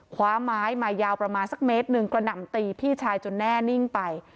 คว้าไม้มายาวประมาณสักเมตรหนึ่งกระหน่ำตีพี่ชายจนแน่นิ่งไป